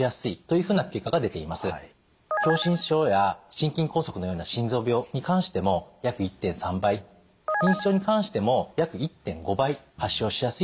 狭心症や心筋梗塞のような心臓病に関しても約１．３倍認知症に関しても約１．５倍発症しやすいという報告があります。